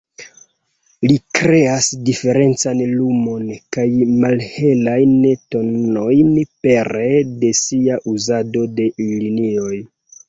Li kreas diferencan lumon kaj malhelajn tonojn pere de sia uzado de linioj.